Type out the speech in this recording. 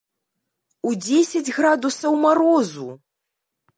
У дзесяць градусаў марозу!